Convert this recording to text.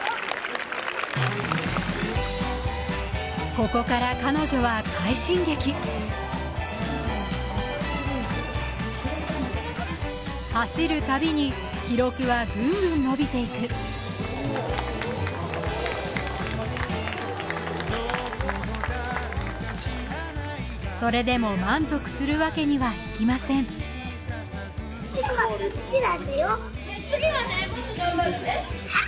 ここから彼女は快進撃走るたびに記録はグングン伸びていくそれでも満足するわけにはいきませんはっ？